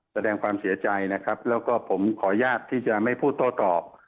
แสดงความเสียใจนะครับแล้วก็ผมขออนุญาตที่จะไม่พูดโต้ตอบ